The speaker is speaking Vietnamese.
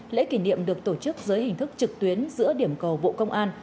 lễ kỷ niệm được tổ chức dưới hình thức trực tuyến giữa điểm cầu bộ công an